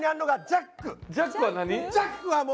ジャックは何？